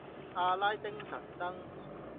阿拉丁神燈